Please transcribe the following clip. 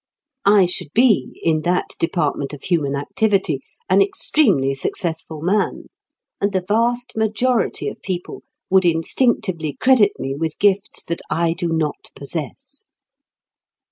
I should be, in that department of human activity, an extremely successful man, and the vast majority of people would instinctively credit me with gifts that I do not possess.